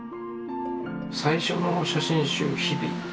最初の写真集「日々」